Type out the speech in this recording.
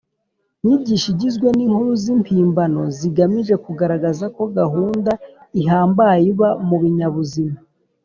nyigisho igizwe n inkuru z impimbano zigamije kugaragaza ko gahunda ihambaye iba mu binyabuzima